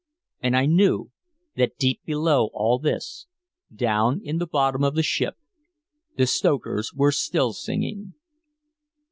And I knew that deep below all this, down in the bottom of the ship, the stokers were still singing.